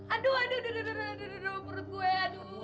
aduh aduh aduh aduh aduh aduh aduh perut gue